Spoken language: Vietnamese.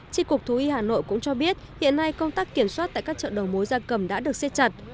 trị cục thú y hà nội cũng cho biết hiện nay công tác kiểm soát tại các chợ đầu mối gia cầm đã được siết chặt